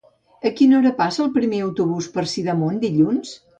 A quina hora passa el primer autobús per Sidamon dilluns?